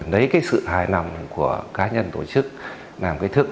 đấy cái sự hài lòng của cá nhân tổ chức